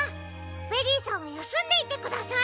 ベリーさんはやすんでいてください。